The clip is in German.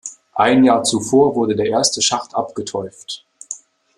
Ein Jahr zuvor wurde der erste Schacht abgeteuft.